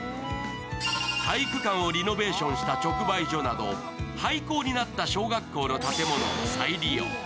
体育館をリノベーションした直売所など、廃校になった小学校の建物を再利用。